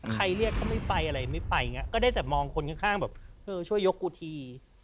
เรียกก็ไม่ไปอะไรไม่ไปอย่างนี้ก็ได้แต่มองคนข้างแบบเออช่วยยกกูที